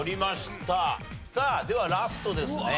さあではラストですね。